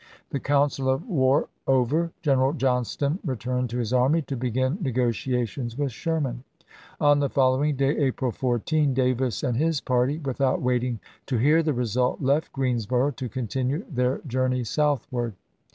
The council of war over, General Johnston returned to his army to begin negotiations with Sherman. On the following day, April 14, Davis and his party, without waiting to hear the result, left Greensboro' to continue their journey southward.